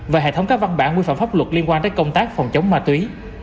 và hệ thống các văn bản quy phạm pháp luật liên quan tới công tác phòng chống ma túy